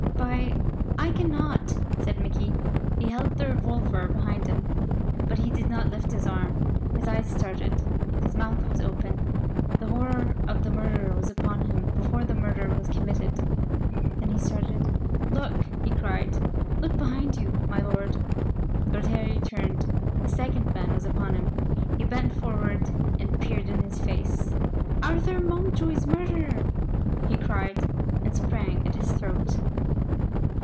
"By I cannot!" said Mickey. He held the revolver behind him, but he did not lift his arm. His eyes started: his mouth was open; the horror of the murderer was upon him before the murder was committed. Then he started. "Look!" he cried. "Look behind you, my lord!" Lord Harry turned. The second man was upon him. He bent forward and peered in his face. "Arthur Mountjoy's murderer!" he cried, and sprang at his throat.